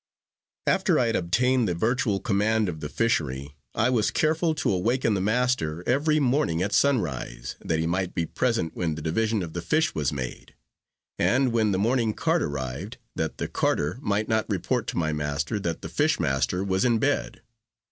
After I had obtained the virtual command of the fishery, I was careful to awaken the master every morning at sunrise, that he might be present when the division of the fish was made; and when the morning cart arrived, that the carter might not report to my master, that the fish master was in bed.